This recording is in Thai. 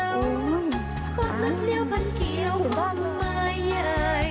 สวัสดีค่ะ